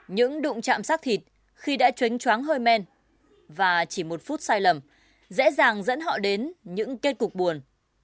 những đụng chạm sát thịt khi đã trốn choáng hơi men và chỉ một phút sai lầm dễ dàng dẫn họ đến những kết cục buồn